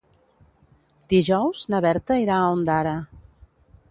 Dijous na Berta irà a Ondara.